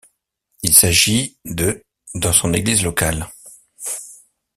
Il s'agit d' dans son Église locale.